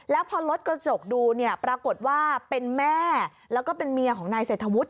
แล้วพอรถกระจกดูเนี่ยปรากฏว่าเป็นแม่แล้วก็เป็นเมียของนายเศรษฐวุฒิ